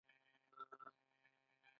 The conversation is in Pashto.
د لایبینټس وړاندیز رد شو.